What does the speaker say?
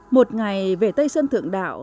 một ngày về tây sơn thượng đạo